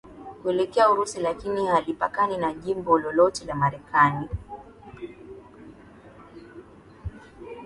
kuelekea Urusi lakini halipakani na jimbo lolote la Marekani